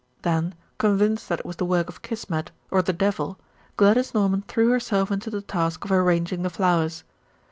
Then, convinced that it was the work of Kismet, or the devil, Gladys Norman threw herself into the task of arranging the flowers.